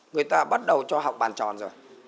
người ta bắt đầu cho học bàn tròn rồi